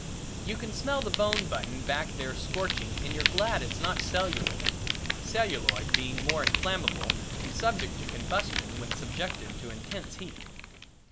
You can smell the bone button back there scorching and you're glad it's not celluloid, celluloid being more inflammable and subject to combustion when subjected to intense heat.